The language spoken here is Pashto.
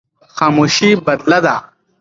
خاموشي بدله ده.